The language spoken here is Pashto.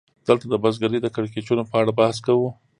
دلته د بزګرۍ د کړکېچونو په اړه بحث کوو